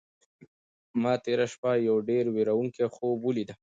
ما تېره شپه یو ډېر وېروونکی خوب ولید.